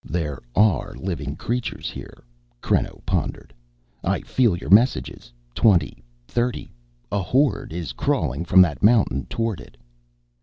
"There are living creatures here!" Creno pondered. "I feel your messages. Twenty, thirty a horde is crawling from that mountain toward it."